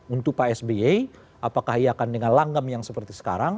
untuk pak s b a apakah ia akan dengan langgam yang seperti sekarang